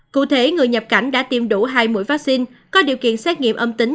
cụ thể người nhập cảnh đã tiêm đủ hai mũi vaccine có điều kiện xét nghiệm âm tính